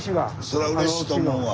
そらうれしいと思うわ。